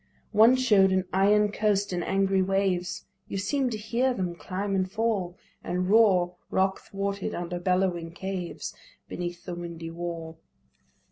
One show'd an iron coast and angry waves You seem'd to hear them climb and fall And roar rock thwarted under bellowing caves, Beneath the windy wall.